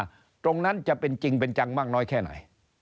ตรงนั้นจะเป็นจริงเป็นจังมากน้อยแค่ไหน